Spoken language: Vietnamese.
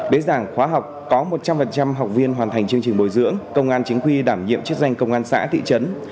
bế giảng khóa học có một trăm linh học viên hoàn thành chương trình bồi dưỡng công an chính quy đảm nhiệm chức danh công an xã thị trấn